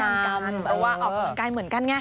เพราะว่าออกกำลังกายเหมือนกันไง